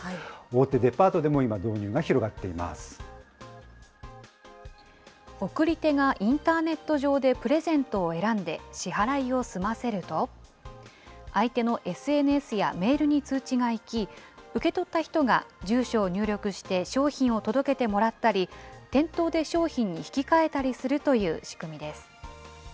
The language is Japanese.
大手デパートでも今、導入が広が贈り手がインターネット上でプレゼントを選んで支払いを済ませると、相手のＳＮＳやメールに通知が行き、受け取った人が住所を入力して、商品を届けてもらったり、店頭で商品に引き換えたりするという仕組みです。